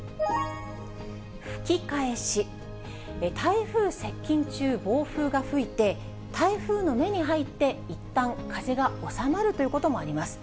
吹き返し、台風接近中、暴風が吹いて、台風の目に入って、いったん風が収まるということもあります。